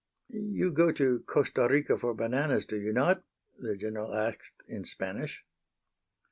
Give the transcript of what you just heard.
"You go to Costa Rica for bananas, do you not?" the General asked in Spanish.